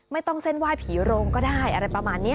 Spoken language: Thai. ไม่ต้องเส้นไหว้ผีโรงก็ได้อะไรประมาณนี้